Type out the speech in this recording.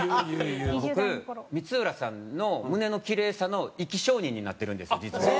僕光浦さんの胸のキレイさの生き証人になってるんですよ実は。